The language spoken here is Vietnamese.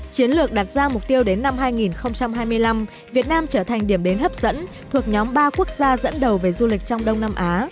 chiến lược đặt ra mục tiêu đến năm hai nghìn hai mươi năm việt nam trở thành điểm đến hấp dẫn thuộc nhóm ba quốc gia dẫn đầu về du lịch trong đông nam á